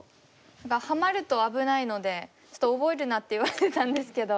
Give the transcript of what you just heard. はまると危ないので覚えるなって言われてたんですけど。